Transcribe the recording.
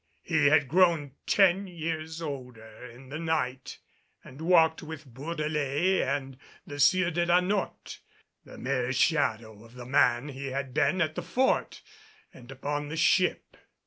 He had grown ten years older in the night and walked with Bourdelais and the Sieur de la Notte, the mere shadow of the man he had been at the Fort and upon the ship.